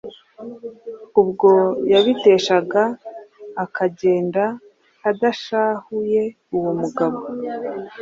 ubwo bayiteshaga ikagenda idashahuye uwo mugabo